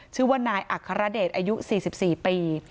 ชื่อว่านายอัครเดชอายุ๔๔ปี